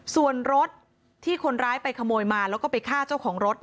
ส่วนรถที่คนร้ายไปขโมยมาแล้วก็ไปฆ่าเจ้าของรถ